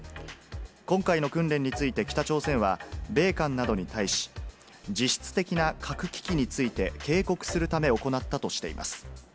今回の訓練について北朝鮮は、米韓などに対し、実質的な核危機について、警告するため行ったとしています。